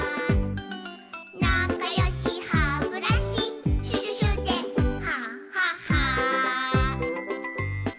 「なかよしハブラシシュシュシュでハハハ」